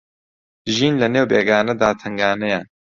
ژین لە نێو بێگانەدا تەنگانەیە